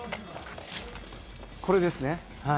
これですね。